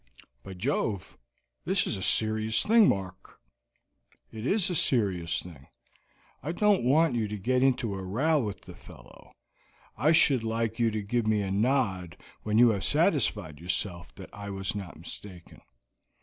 "By Jove, this is a serious thing, Mark." "It is a serious thing. I don't want you to get into a row with the fellow. I should like you to give me a nod when you have satisfied yourself that I was not mistaken.